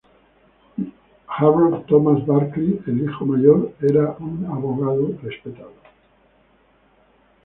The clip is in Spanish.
Jarrod Thomas Barkley, el hijo mayor, era un abogado respetado.